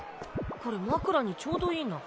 これ枕にちょうどいいな。